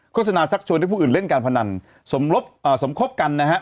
โฆษณาชักชวนให้ผู้อื่นเล่นการพนันสมคบกันนะฮะ